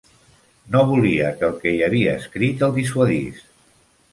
No volia que el que hi havia escrit el dissuadís.